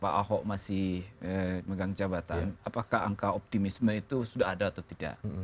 pak ahok masih megang jabatan apakah angka optimisme itu sudah ada atau tidak